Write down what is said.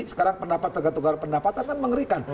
sekarang pendapatan kan mengerikan